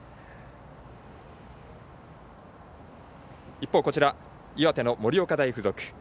一方こちら、岩手の盛岡大付属。